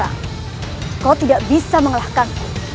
aku harus mencari kemampuan